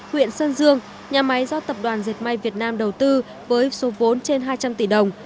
huyện sơn dương nhà máy do tập đoàn dệt may việt nam đầu tư với số vốn trên hai trăm linh tỷ đồng